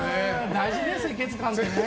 大事ですね、清潔感ってね。